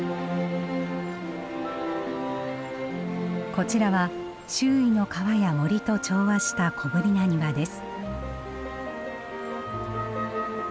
こちらは周囲の川や森と調和した小ぶりな庭です。